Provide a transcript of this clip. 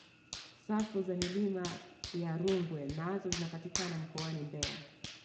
safu za milima ya rungwe nazo zinapatikana mkoani mbeya